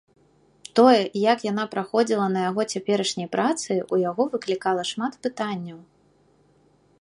Тое, як яна праходзіла на яго цяперашняй працы, у яго выклікала шмат пытанняў.